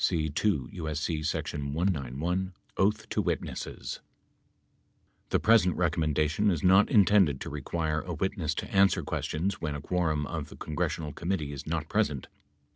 See 2 U.S.C. sec. 191 ("Oath to Witnesses") . 12 The present recommendation is not intended to require a witness to answer questions when a quorum of the congressional committee is not present.